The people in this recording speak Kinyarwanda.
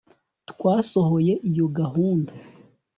twasohoye iyo gahunda